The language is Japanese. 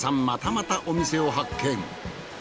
またまたお店を発見。